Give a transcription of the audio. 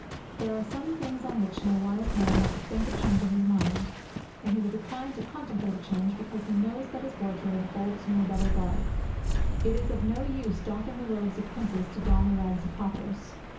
There are some things on which no wise man will think of changing his mind. And he will decline to contemplate a change because he knows that his wardrobe holds no better garb. It is of no use doffing the robes of princes to don the rags of paupers.